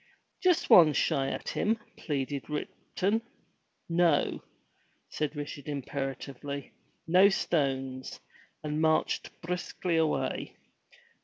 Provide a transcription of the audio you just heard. "Just one shy at him," pleaded Ripton. "No," said Richard imperatively, "no stones," and marched briskly away.